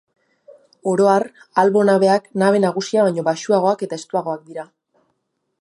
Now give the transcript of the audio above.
Oro har, albo-nabeak nabe nagusia baino baxuagoak eta estuagoak dira.